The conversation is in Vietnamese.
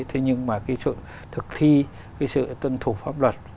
thế nhưng mà cái sự thực thi cái sự tuân thủ pháp luật